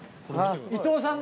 伊藤さんだ！